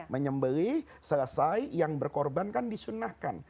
menyembeli selesai yang berkorban kan disunnahkan